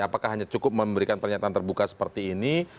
apakah hanya cukup memberikan pernyataan terbuka seperti ini